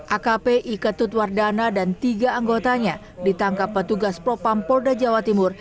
akpi ketut wardana dan tiga anggotanya ditangkap petugas propam polda jawa timur